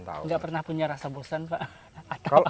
tidak pernah punya rasa bosan pak